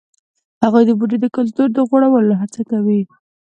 هغوی د ډوډۍ د کلتور د غوړولو هڅه وکړه.